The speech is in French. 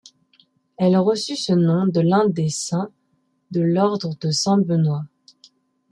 Elle reçut ce nom de l'un des saints de l'ordre de Saint-Benoît.